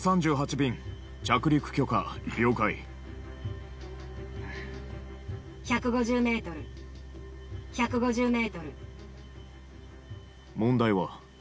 便着陸許可了解１５０ｍ１５０ｍ問題は？